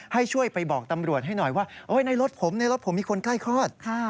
ให้ช่วยไปบอกตำรวจให้หน่อยว่าในรถผมในรถผมมีคนใกล้คลอด